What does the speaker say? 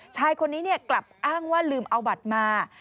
ชายคนนี้กลับอ้างว่าลืมเอาบัตรมา